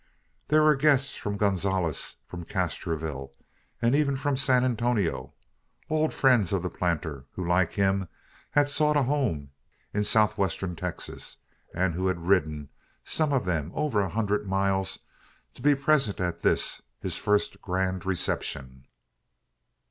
There were guests from Gonzales, from Castroville, and even from San Antonio old friends of the planter, who, like him, had sought a home in South Western Texas, and who had ridden some of them over a hundred miles to be present at this, his first grand "reception."